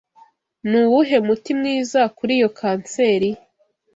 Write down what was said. Nuwuhe muti mwiza kuri iyo kanseri?